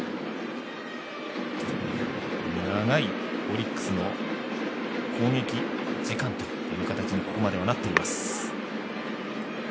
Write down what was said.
長いオリックスの攻撃時間という形にここまではなっています。